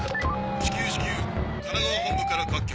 至急至急神奈川本部から各局。